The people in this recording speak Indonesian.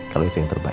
kalau itu yang terbaik